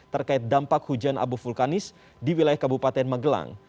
terkait dampak hujan abu vulkanis di wilayah kabupaten magelang